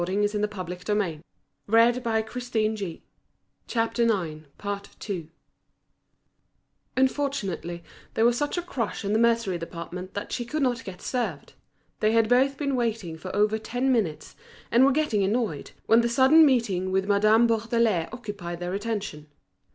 If I don't make haste and get my braid and be off, I shall be done for." Unfortunately, there was such a crush in the mercery department that she could not get served. They had both been waiting for over ten minutes, and were getting annoyed, when the sudden meeting with Madame Bourdelais occupied their attention.